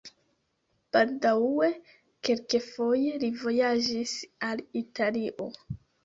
Baldaŭe kelkfoje li vojaĝis al Italio.